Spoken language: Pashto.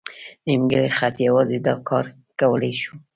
نیمګړی خط یوازې دا کار کولی شو.